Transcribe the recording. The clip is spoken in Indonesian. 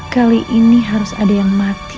kali ini harus ada yang mati